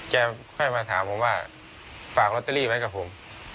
ค่อยมาถามผมว่าฝากลอตเตอรี่ไว้กับผม